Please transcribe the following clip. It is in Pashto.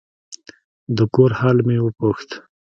د کور حال مې وپوښت.